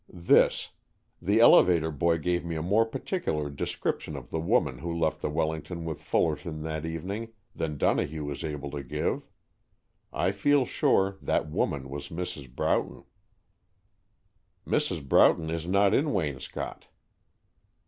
"This. The elevator boy gave me a more particular description of the woman who left the Wellington with Fullerton that evening than Donohue was able to give. I feel sure that woman was Mrs. Broughton." "Mrs. Broughton is not in Waynscott."